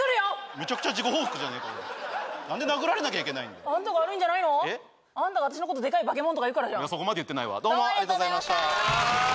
めちゃくちゃ事後報告じゃねえか何で殴られなきゃいけないの？あんたが悪いんじゃないのあんたが私のことでかい化け物とか言うからじゃんいやそこまで言ってないわどうもありがとうございました